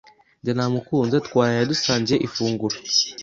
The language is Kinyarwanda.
Jye namukunze twaraye dusangiye ifunguro.